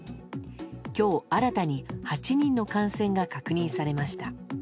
今日、新たに８人の感染が確認されました。